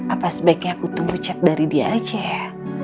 apa sebaiknya aku tunggu chat dari dia aja ya